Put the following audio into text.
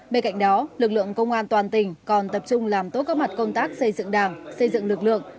bên cạnh đó lực lượng công an toàn tỉnh còn tập trung làm tốt các mặt công tác xây dựng đảng xây dựng lực lượng